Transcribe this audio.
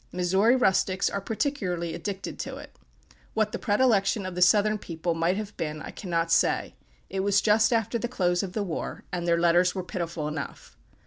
Missouri rustics are particularly addicted to it. What the predilection of the Southern people might have been, I cannot say; it was just after the close of the war, and their letters were pitiful enough.